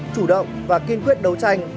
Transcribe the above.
chủ động và kiên quyết đấu tranh